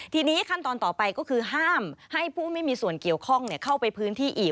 ทีนี้ขั้นตอนต่อไปก็คือห้ามให้ผู้ไม่มีส่วนเกี่ยวข้องเข้าไปพื้นที่อีก